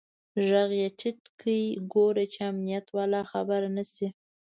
ږغ يې ټيټ کړ ګوره چې امنيت والا خبر نسي.